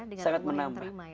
dengan ilmu yang kita terima